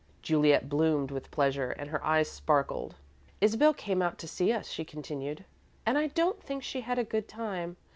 '" Juliet bloomed with pleasure and her eyes sparkled. "Isabel came out to see us," she continued, "and I don't think she had a good time.